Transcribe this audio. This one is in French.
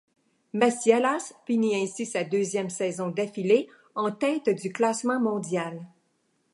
Massialas finit ainsi sa deuxième saison d'affilée en tête du classement mondial.